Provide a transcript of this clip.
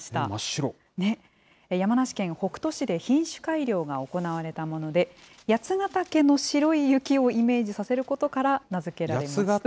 山梨県北杜市で品種改良が行われたもので、八ヶ岳の白い雪をイメージさせることから、名付けられました。